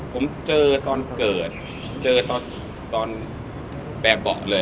ผมเจอตอนเกิดตอนแปบบ่ะเลย